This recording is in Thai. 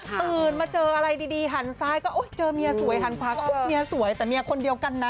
ตื่นมาเจออะไรดีหันซ้ายก็เจอเมียสวยหันขวาก็เมียสวยแต่เมียคนเดียวกันนะ